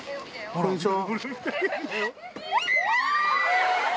こんにちは。